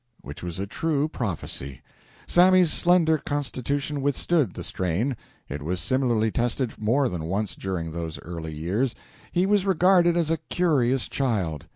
Which was a true prophecy. Sammy's slender constitution withstood the strain. It was similarly tested more than once during those early years. He was regarded as a curious child.